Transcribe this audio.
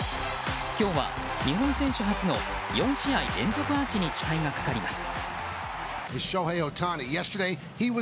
今日は日本選手初の４試合連続のアーチに期待がかかります。